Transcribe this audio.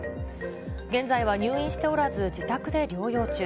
現在は入院しておらず、自宅で療養中。